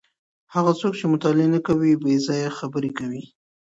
هغه څوک چي مطالعه نه کوي بې ځایه خبري کوي.